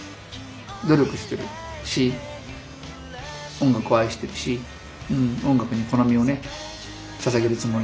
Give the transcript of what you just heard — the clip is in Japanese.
努力してるし音楽を愛してるし音楽にこの身をねささげるつもり。